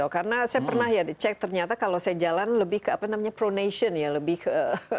karena saya pernah ya dicek ternyata kalau saya jalan lebih ke apa namanya pronation ya lebih ke